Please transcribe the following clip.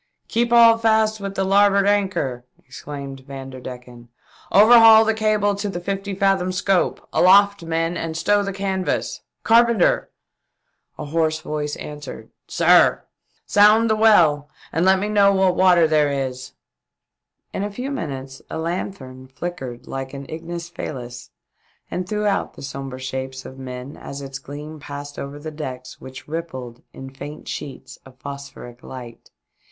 " Keep all fast with the larboard anchor !" exclaimed Vanderdecken. " Overhaul the cable to the fifty fathom scope. Aloft men and stow the canvas. Carpenter !" A hoarse voice answered, " Sir ?"" Sound the well and let me know what water there is." In a few minutes a lanthorn flickered like an ignis fahms and threw out the sombre shapes of men as its gleam passed over the decks which rippled in faint sheets of phosphoric light.